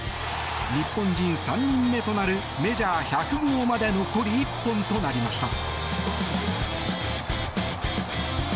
日本人３人目となるメジャー１００号まで残り１本となりました。